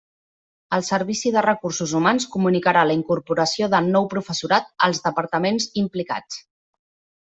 El Servici de Recursos Humans comunicarà la incorporació de nou professorat als Departaments implicats.